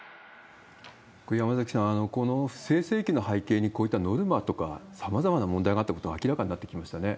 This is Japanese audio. これ、山崎さん、不正請求の背景にこういったノルマとか、さまざまな問題があったことが明らかになってきましたね。